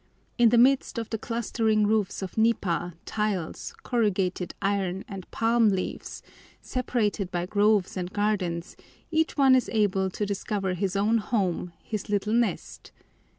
In the midst of the clustering roofs of nipa, tiles, corrugated iron, and palm leaves, separated by groves and gardens, each one is able to discover his own home, his little nest.